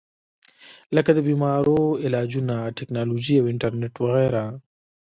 لکه د بيمارو علاجونه ، ټېکنالوجي او انټرنيټ وغېره